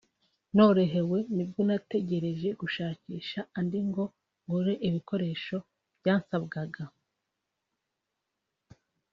norohewe nibwo natekereje gushakisha andi ngo ngure ibikoresho byasabwaga